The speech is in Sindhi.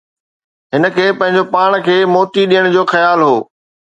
هن کي پنهنجو پاڻ کي موتي ڏيڻ جو خيال هو